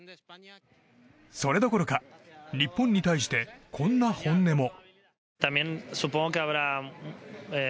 それどころか、日本に対してこんな本音も。